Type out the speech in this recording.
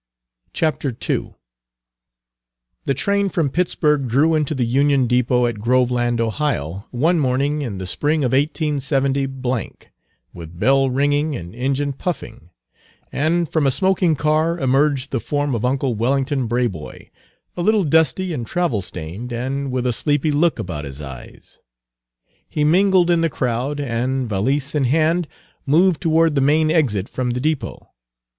Page 228 II The train from Pittsburg drew into the Union Depot at Groveland, Ohio, one morning in the spring of 187 , with bell ringing and engine puffing; and from a smoking car emerged the form of uncle Wellington Braboy, a little dusty and travel stained, and with a sleepy look about his eyes. He mingled in the crowd, and, valise in hand, moved toward the main exit from the depot.